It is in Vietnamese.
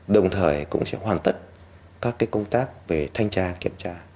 đồng thời cũng sẽ hoàn tất các công tác về thanh tra kiểm tra